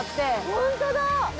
ホントだ！